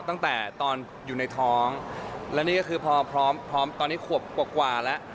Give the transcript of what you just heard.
ตั้งแต่ตอนอยู่ในท้องและนี่ก็คือพอพร้อมพร้อมตอนนี้ขวบกว่าแล้ว